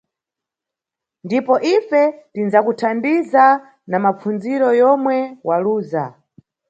Ndipo ife tindzakuthandiza na mapfundziro yomwe waluza